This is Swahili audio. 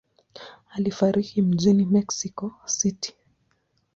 Alifariki mjini Mexico City.